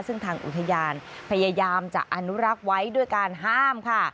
ซึ่งทางอุทยานพยายามจะอนุรักษ์ไว้ด้วยการห้ามค่ะ